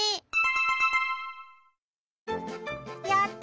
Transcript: やった！